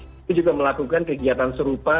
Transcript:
itu juga melakukan kegiatan serupa